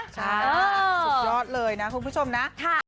ใช่สุดยอดเลยนะคุณผู้ชมนะ